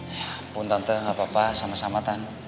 ya ampun tante gak apa apa sama sama tan